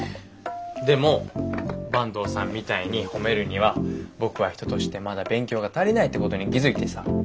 でも坂東さんみたいに褒めるには僕は人としてまだ勉強が足りないってことに気付いてさ。